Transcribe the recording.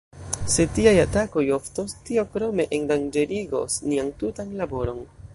Se tiaj atakoj oftos, tio krome endanĝerigos nian tutan laboron.